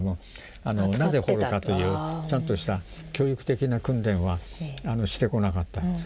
なぜ掘るかというちゃんとした教育的な訓練はしてこなかった。